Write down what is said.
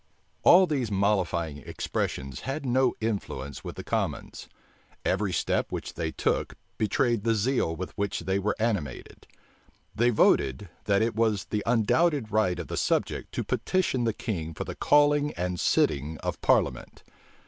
All these mollifying expressions had no influence with the commons. Every step which they took betrayed the zeal with which they were animated. They voted, that it was the undoubted right of the subject to petition the king for the calling and sitting of parliament.